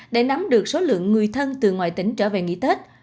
để nắm được số lượng người thân từ ngoài tỉnh trở về nghỉ tết